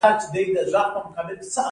حاکمانو باج ورکړي.